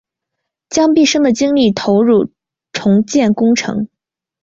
将毕生的精力投入重建工程